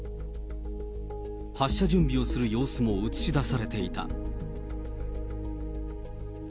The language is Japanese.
発射準備をする様子も映し出されていた。